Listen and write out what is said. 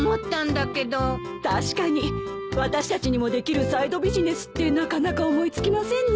確かに私たちにもできるサイドビジネスってなかなか思い付きませんね。